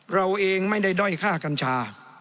เราเองไม่ได้ด้อยค่ากัญชา